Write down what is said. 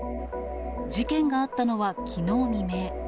事件があったのはきのう未明。